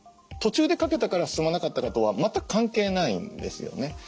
途中で掛けたから進まなかったかとは全く関係ないんですよね。